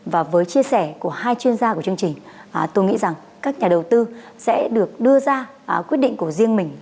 và với chia sẻ của hai chuyên gia của chương trình tôi nghĩ rằng các nhà đầu tư sẽ được đưa ra quyết định của riêng mình